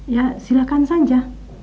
ya silakan saja